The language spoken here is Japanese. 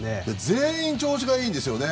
全員調子がいいんですよね。